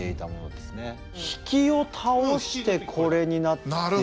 比企を倒してこれになってる。